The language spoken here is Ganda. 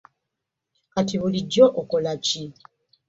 Kati bulijjo okola ki?